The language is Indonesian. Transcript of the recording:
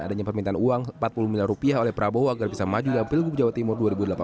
adanya permintaan uang rp empat puluh miliar rupiah oleh prabowo agar bisa maju dalam pilgub jawa timur dua ribu delapan belas